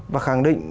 và khẳng định